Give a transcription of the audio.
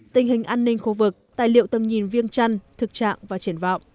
tình hình an ninh khu vực tài liệu tầm nhìn viêng trăn thực trạng và triển vọng